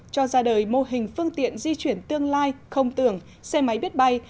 cho ra đời mô hình phương tiện di chuyển tương lai không tưởng xe máy biết bay